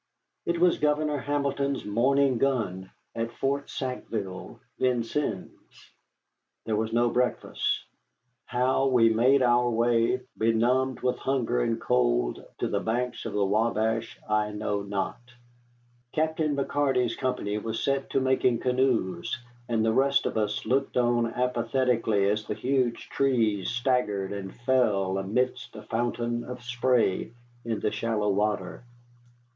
It was Governor Hamilton's morning gun at Fort Sackville, Vincennes. There was no breakfast. How we made our way, benumbed with hunger and cold, to the banks of the Wabash, I know not. Captain McCarty's company was set to making canoes, and the rest of us looked on apathetically as the huge trees staggered and fell amidst a fountain of spray in the shallow water.